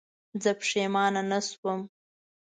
زه پښېمانه نه شوم.